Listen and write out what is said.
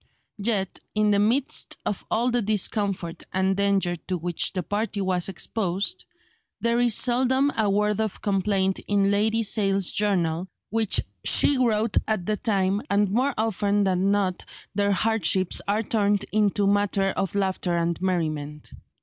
Yet, in the midst of all the discomfort and danger to which the party was exposed, there is seldom a word of complaint in Lady Sale's journal which she wrote at the time, and more often than not their hardships are turned into matter of laughter and merriment.